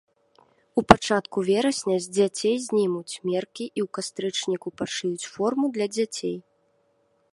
У пачатку верасня з дзяцей знімуць меркі і ў кастрычніку пашыюць форму для дзяцей.